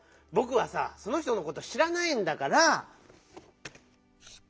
ぼくはさその人のことしらないんだから。